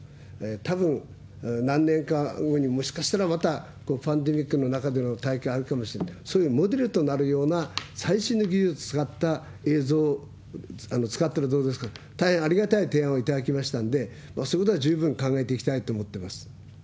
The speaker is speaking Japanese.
たぶん、何年か後にもしかしたらまたこのパンデミックの中での大会あるかもしれない、そういうモデルとなるような最新の技術使った映像を使ったらどうですかと、大変ありがたい提案をいただきましたんで、そういうことは十分考えていきたいと思ってます。